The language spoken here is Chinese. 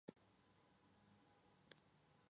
阿拉苏阿伊是巴西米纳斯吉拉斯州的一个市镇。